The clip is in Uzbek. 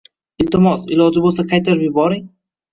Iltimos, iloji bo'lsa qaytarib yuboring.